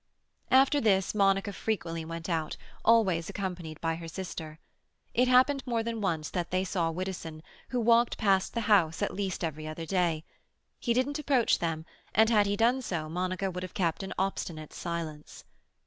After this Monica frequently went out, always accompanied by her sister. It happened more than once that they saw Widdowson, who walked past the house at least every other day; he didn't approach them, and had he done so Monica would have kept an obstinate silence.